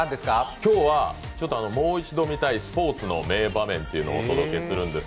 今日は、もう一度見たいスポーツの名場面をお届けします。